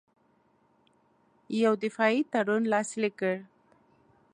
یو دفاعي تړون لاسلیک کړ.